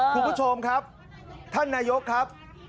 คุณผู้ชมครับท่านนายกครับ